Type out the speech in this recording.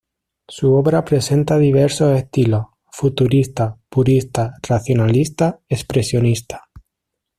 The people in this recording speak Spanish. Su obra presenta diversos estilos: futurista, purista, racionalista, expresionista.